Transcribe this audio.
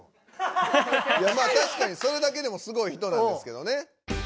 まあ確かにそれだけでもすごい人なんですけどね。